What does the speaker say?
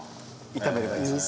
炒めればいいそうです。